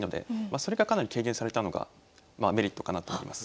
それがかなり軽減されたのがまあメリットかなと思います。